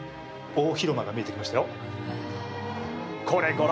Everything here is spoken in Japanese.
大広間が出てきましたよ。